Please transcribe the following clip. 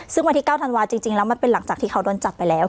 ซึ่งวันที่๙ธันวาจริงแล้วมันเป็นหลังจากที่เขาโดนจับไปแล้ว